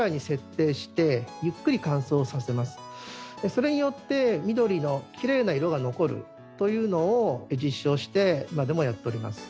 それによって緑のきれいな色が残るというのを実証して今でもやっております。